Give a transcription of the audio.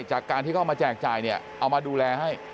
จากการที่เขามาแจกจ่ายเอามาดูแลให้